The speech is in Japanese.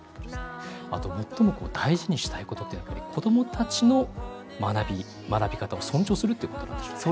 あと最も大事にしたいことってやっぱり子どもたちの学び方を尊重するっていうことなんでしょうね。